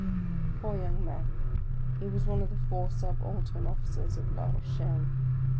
" Poor young man ! he was one of the four subaltern officers of La Rochelle.